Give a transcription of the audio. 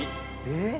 えっ？